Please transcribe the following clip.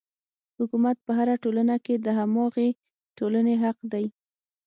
حکومت په هره ټولنه کې د هماغې ټولنې حق دی.